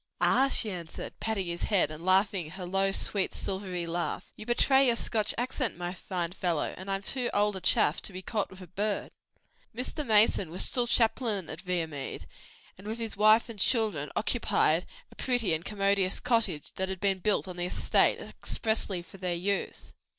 "Ah," she answered, patting his head and laughing her low, sweet silvery laugh, "you betray your Scotch accent, my fine follow; and I'm too old a chaff to be caught with a bird." Mr. Mason was still chaplain at Viamede, and with his wife and children occupied a pretty and commodious cottage which had been built on the estate expressly for their use.